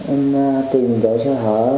em tìm vô sơ hở